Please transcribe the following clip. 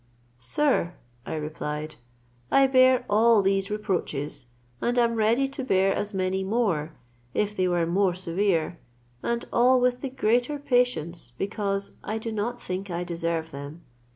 "Sir," I replied, "I bear all these reproaches, and am ready to bear as many more, if they were more severe, and all with the greater patience because I do not think I deserve them.